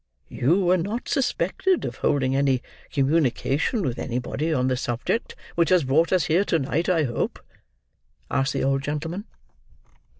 "You were not suspected of holding any communication with anybody on the subject which has brought us here to night, I hope?" asked the old gentleman.